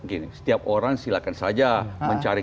gini setiap orang silakan saja mencari